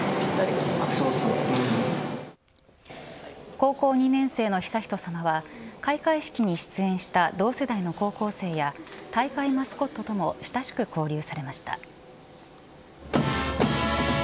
高校２年生の悠仁さまは開会式に出演した同世代の高校生や大会マスコットとも親しく交流されました。